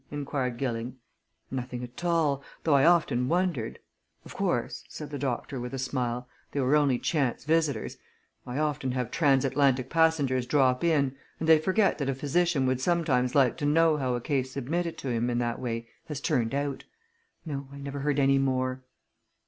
inquired Gilling. "Nothing at all though I often wondered. Of course," said the doctor with a smile, "they were only chance visitors I often have trans atlantic passengers drop in and they forget that a physician would sometimes like to know how a case submitted to him in that way has turned out. No, I never heard any more."